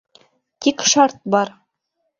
Тик шарт бар.